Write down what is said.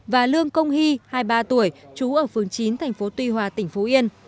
và lương công hy hai mươi ba tuổi chú ở phường chín tp tuy hòa tỉnh phú yên